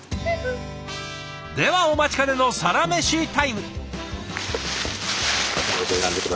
ではお待ちかねのサラメシタイム！